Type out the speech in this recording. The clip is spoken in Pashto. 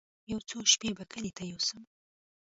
يو څو شپې به کلي ته يوسم.